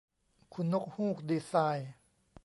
คุณนกฮูกดีไซน์